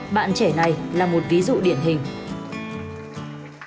bạn trẻ này là một ví dụ điển hình